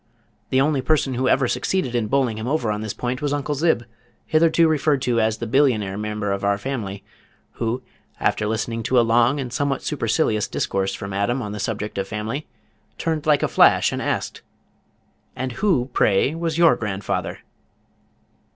The only person who ever succeeded in bowling him over on this point was Uncle Zib, hitherto referred to as the billionaire member of our family, who, after listening to a long and somewhat supercilious discourse from Adam on the subject of family, turned like a flash and asked: "And who pray was your grandfather?"